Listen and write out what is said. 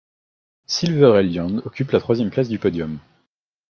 Silver Eljand occupe la troisième place du podium.